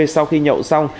sau khi nhậu xong